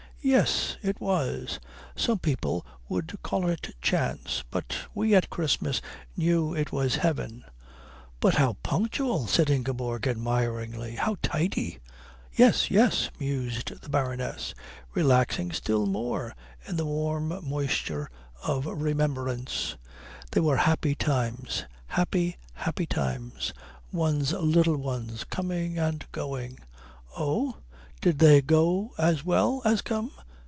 "Yes. It was. Some people would call it chance. But we, as Christians, knew it was heaven." "But how punctual," said Ingeborg admiringly, "how tidy!" "Yes, yes," mused the Baroness, relaxing still more in the warm moisture of remembrance, "they were happy times. Happy, happy times. One's little ones coming and going " "Oh? Did they go as well as come?"